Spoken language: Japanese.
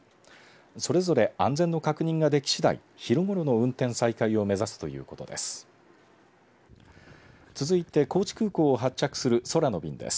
それぞれ安全の確認ができしだい昼ごろの運転再開を目指すということです。